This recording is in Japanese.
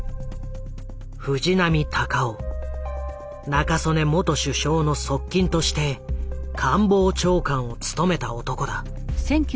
中曽根元首相の側近として官房長官を務めた男だ。